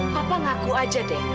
papa ngaku aja deh